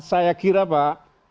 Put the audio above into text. saya kira pak